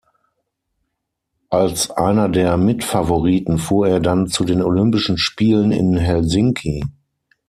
Als einer der Mitfavoriten fuhr er dann zu den Olympischen Spielen in Helsinki.